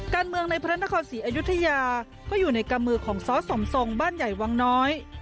การเมืองในพระนครศรีอยุธยาก็อยู่ในกำมือของซอสสมทรงบ้านใหญ่วังน้อย